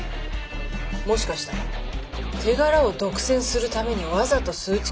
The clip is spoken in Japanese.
もしかしたら手柄を独占するためにわざと数値化に協力しないとか？